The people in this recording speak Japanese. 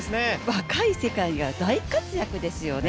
若い世代が大活躍ですよね。